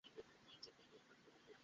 ভুল না ছিল আমার, না ছিল তোমার।